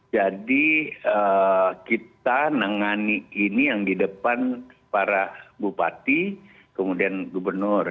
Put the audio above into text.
jadi kita menengani ini yang di depan para bupati kemudian gubernur